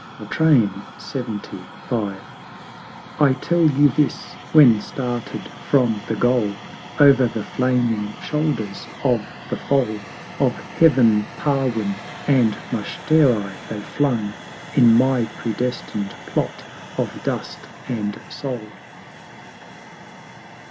LXXV. I tell you this When, started from the Goal, Over the flaming shoulders of the Foal Of Heav'n Parwin and Mushtari they flung, In my predestined Plot of Dust and Soul.